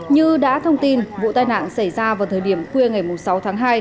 như đã thông tin vụ tai nạn xảy ra vào thời điểm khuya ngày sáu tháng hai